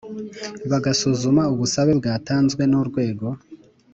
Bugasuzuma ubusabe bwatanzwe n urwego